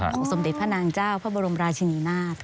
สมเด็จพระนางเจ้าพระบรมราชินีนาฏ